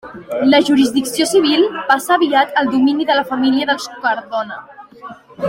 La jurisdicció civil passà aviat al domini de la família dels Cardona.